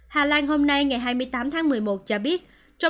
hà lan hôm nay ngày hai mươi tám tháng một mươi một cho biết